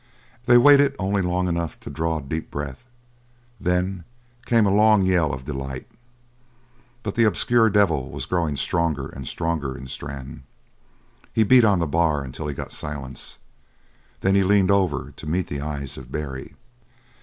They waited only long enough to draw deep breath; then came a long yell of delight. But the obscure devil was growing stronger and stronger in Strann. He beat on the bar until he got silence. Then he leaned over to meet the eyes of Barry.